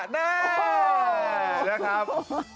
แน่นะครับ